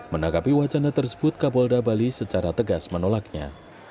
menanggapi wacana tersebut kapolda bali secara tegas menolaknya